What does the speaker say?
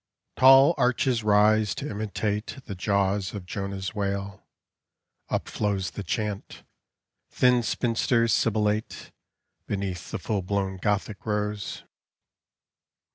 Tall arches rise to imitate The jaws of Jonah's whale. Up flows The chant. Thin spinster's sibilate Beneath the full blown Gothic rose.